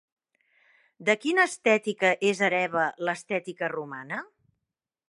De quina estètica és hereva l'estètica romana?